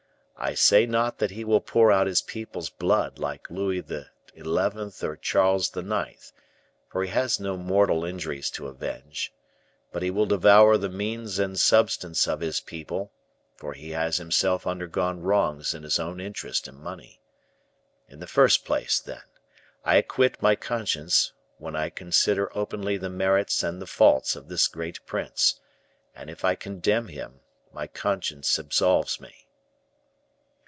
I say not that he will pour out his people's blood, like Louis XI., or Charles IX.; for he has no mortal injuries to avenge; but he will devour the means and substance of his people; for he has himself undergone wrongs in his own interest and money. In the first place, then, I acquit my conscience, when I consider openly the merits and the faults of this great prince; and if I condemn him, my conscience absolves me."